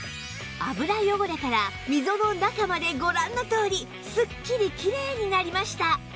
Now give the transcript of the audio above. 油汚れから溝の中までご覧のとおりスッキリきれいになりました